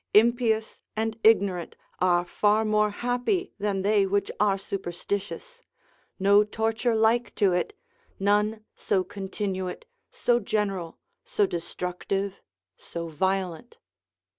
Impious and ignorant are far more happy than they which are superstitious, no torture like to it, none so continuate, so general, so destructive, so violent.